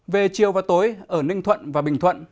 về chiều và tối ở ninh thuận và bình thuận